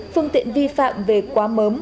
phương tiện vi phạm về quá mớm